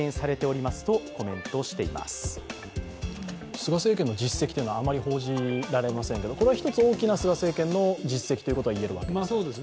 菅政権の実績というのは、あまり報じられませんけどこれは一つ大きな菅政権の実績ということが言えるわけですか。